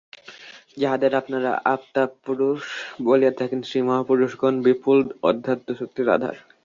যাঁহাদের আপনারা অবতারপুরুষ বলিয়া থাকেন, সেই মহাপুরুষগণ বিপুল অধ্যাত্মশক্তির আধার।